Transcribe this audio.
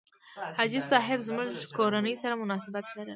حاجي صاحب زموږ کورنۍ سره مناسبات لرل.